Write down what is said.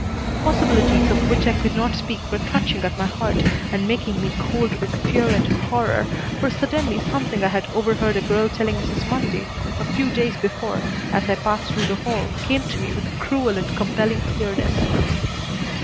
Possibilities of which I could not speak were clutching at my heart and making me cold with fear and horror, for suddenly something I had overheard a girl telling Mrs. Mundy a few days before, as I passed through the hall, came to me with cruel and compelling clearness.